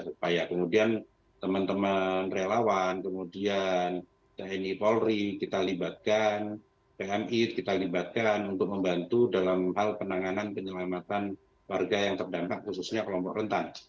supaya kemudian teman teman relawan kemudian tni polri kita libatkan pmi kita libatkan untuk membantu dalam hal penanganan penyelamatan warga yang terdampak khususnya kelompok rentan